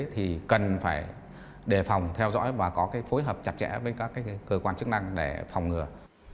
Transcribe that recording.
thì cần phải đề phòng theo dõi và có phối hợp chặt chẽ với các cơ quan chức năng để phòng ngừa